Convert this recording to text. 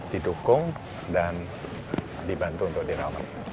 didukung dan dibantu untuk dirawat